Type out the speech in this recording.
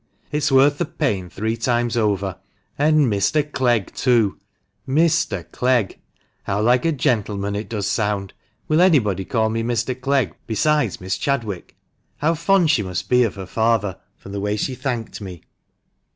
It's worth the pain three times over. And Mr. Clegg, too ! Mr. Clegg ! How like a gentleman it does sound ! Will anybody call me Mr. Clegg besides Miss Chadwick? How fond she must be of her father, from the way she thanked me!"